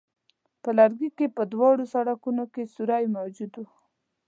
په لرګي کې په دواړو سرونو کې سوری موجود وو.